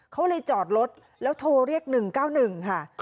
เขาเลยจอดรถแล้วโทรเรียก๑๙๑ค่ะ